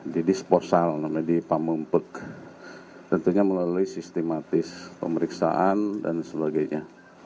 di disposal namanya di pamumpek tentunya melalui sistematis pemeriksaan dan sebagainya